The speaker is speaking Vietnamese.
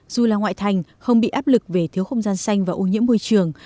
dù là ngoại thành không bị áp lực về thiếu không gian xanh và ô nhiễm môi trường